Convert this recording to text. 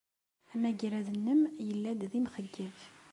Amagrad-nnem yella-d d imxeyyeb.